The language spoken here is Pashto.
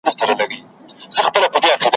د خُم له وچو شونډو محتسب دی باج اخیستی ,